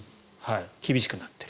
厳しくなっている。